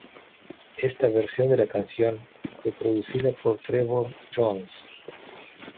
Esta versión de la canción fue producida por Trevor Jones.